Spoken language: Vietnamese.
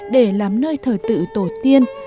để làm nơi thở tự tổ tiên